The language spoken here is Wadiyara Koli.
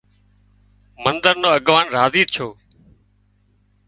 منۮر نو اڳواڻ راضي ڇو